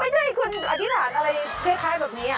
ไม่ใช่คุณอธิษฐานอะไรคล้ายเหมือนกับนี้